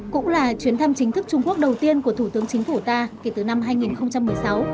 cũng là chuyến thăm chính thức trung quốc đầu tiên của thủ tướng chính phủ ta kể từ năm hai nghìn một mươi sáu